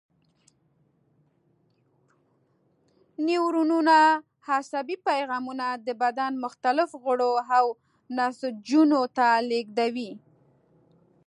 نیورونونه عصبي پیغامونه د بدن مختلفو غړو او نسجونو ته لېږدوي.